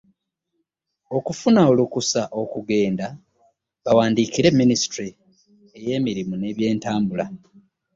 Okufuna olukusa okugenda, bawandiikire Minisitule ey'emirimu n'ebyentambula